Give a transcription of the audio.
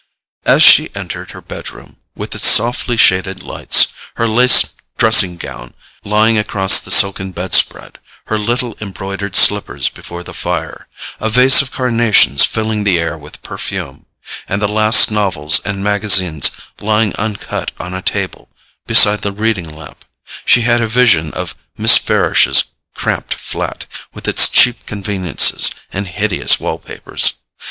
As she entered her bedroom, with its softly shaded lights, her lace dressing gown lying across the silken bedspread, her little embroidered slippers before the fire, a vase of carnations filling the air with perfume, and the last novels and magazines lying uncut on a table beside the reading lamp, she had a vision of Miss Farish's cramped flat, with its cheap conveniences and hideous wall papers.